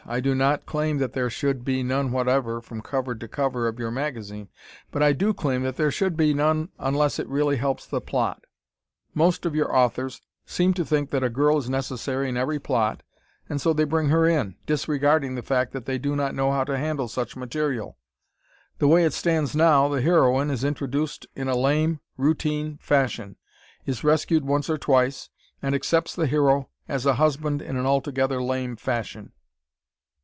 I do not claim that there should be none whatever from cover to cover of your magazine, but I do claim that there should be none unless it really helps the plot. Most of your authors seem to think that a girl is necessary in every plot and so they bring her in, disregarding the fact that they do not know how to handle such material. The way it stands now, the heroine is introduced in a lame, routine fashion; is rescued once or twice; and accepts the hero as a husband in an altogether lame fashion.